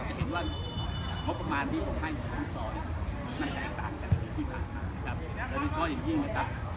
จะเห็นว่าเหมาะประมาณที่ผมให้ของฟุตซอลทำให้แตกต่างกับพี่ฝากนะครับ